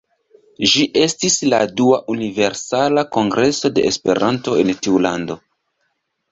Ĝi estis la dua Universala Kongreso de Esperanto en tiu lando.